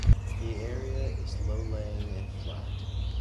The area is low laying and flat.